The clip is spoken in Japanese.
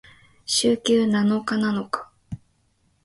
週休七日なのか？